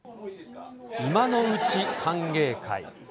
今のうち歓迎会。